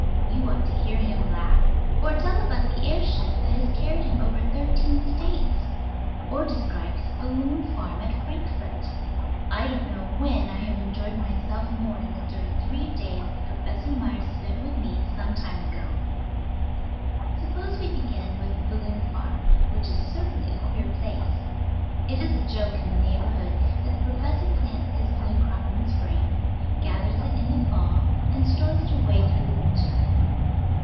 You ought to hear him laugh! or tell about the air ship that has carried him over thirteen States! or describe his "balloon farm" at Frankfort! I don't know when I have enjoyed myself more than during three days Professor Myers spent with me some time ago. [Illustration: "BALLOON CLOTH BY HUNDREDS OF YARDS."] Suppose we begin with the balloon farm, which is certainly a queer place. It is a joke in the neighborhood that the professor plants his balloon crop in the spring, gathers it in the fall, and stores it away through the winter.